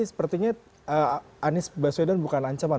sepertinya anies baswedan bukan ancaman